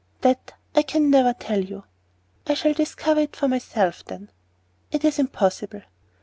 "That I can never tell you." "I shall discover it for myself, then." "It is impossible."